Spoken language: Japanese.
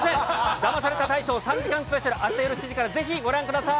ダマされた大賞３時間スペシャル、あした夜７時から、ぜひご覧ください。